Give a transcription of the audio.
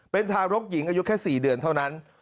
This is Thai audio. เป็นทารกหญิงอายุแค่๔เดือนเท่านั้น